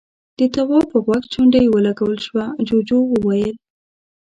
د تواب په غوږ چونډۍ ولګول شوه، جُوجُو وويل: